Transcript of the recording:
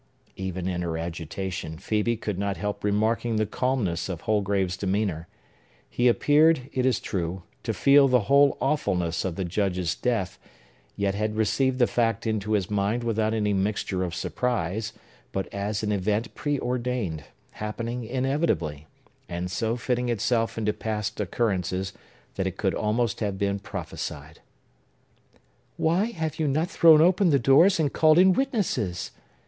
Even in her agitation, Phœbe could not help remarking the calmness of Holgrave's demeanor. He appeared, it is true, to feel the whole awfulness of the Judge's death, yet had received the fact into his mind without any mixture of surprise, but as an event preordained, happening inevitably, and so fitting itself into past occurrences that it could almost have been prophesied. "Why have you not thrown open the doors, and called in witnesses?"